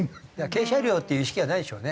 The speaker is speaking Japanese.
軽車両っていう意識がないんでしょうね。